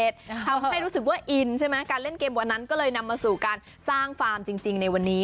ทำให้รู้สึกว่าอินใช่ไหมการเล่นเกมวันนั้นก็เลยนำมาสู่การสร้างฟาร์มจริงในวันนี้